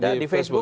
ada di facebook